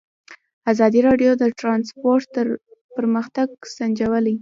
ازادي راډیو د ترانسپورټ پرمختګ سنجولی.